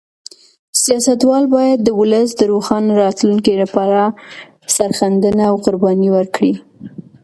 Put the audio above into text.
سیاستوال باید د ولس د روښانه راتلونکي لپاره سرښندنه او قرباني ورکړي.